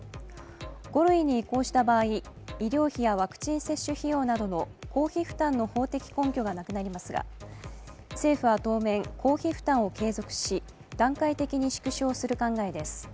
５類に移行した場合、医療費やワクチン接種費用などの公費負担の法的根拠がなくなりますが、政府は当面、公費負担を軽減し、段階的に縮小する考えです。